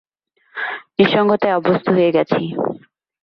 নিসঙ্গতায় অভ্যস্ত হয়ে গেছি।